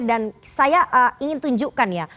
dan saya ingin tunjukkan ya